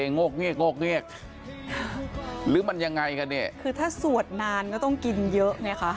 โงกเยกหรือมันยังไงกันเนี่ยคือถ้าสวดนานก็ต้องกินเยอะไงคะ